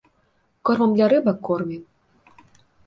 Кормам для рыбак кормім.